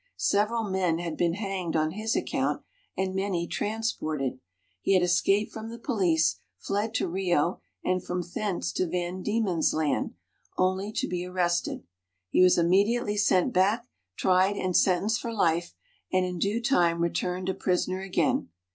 Several men had been hanged on his account and many transported. He had escaped from the police, fled to Rio and from thence to Van Diemen's Land, only to be arrested. He was immediately sent back, tried and sentenced for life, and in due time returned a prisoner again.